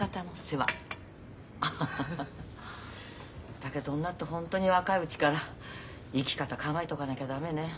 だけど女ってホントに若いうちから生き方考えとかなきゃ駄目ね。